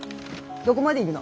どごまで行くの？